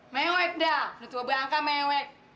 mewek dah udah tua berangka mewek